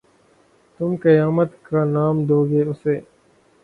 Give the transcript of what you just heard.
تم قیامت کا نام دو گے اِسے